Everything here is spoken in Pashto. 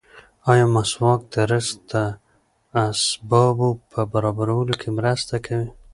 ایا مسواک د رزق د اسبابو په برابرولو کې مرسته کوي؟